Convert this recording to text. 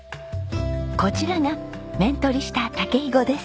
こちらが面取りした竹ひごです。